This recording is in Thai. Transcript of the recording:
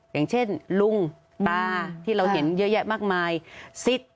อย่างเช่นลุงตาที่เราเห็นเยอะแยะมากมายซิด